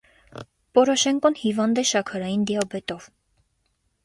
Պորոշենկոն հիվանդ է շաքարային դիաբետով։